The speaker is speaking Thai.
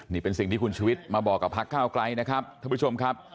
นี่เป็นสิ่งที่คุณชุวิตมาบอกกับพักก้าวไกลนะครับท่านผู้ชมครับ